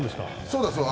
そうです。